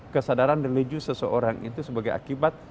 kesadaran religius seseorang itu sebagai akibat